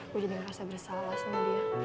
gue jadi ngerasa bersalah sama dia